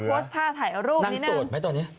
โพสท์ท่าถ่ายเอาลูกนี้นะนั่งโสดไหมตอนนี้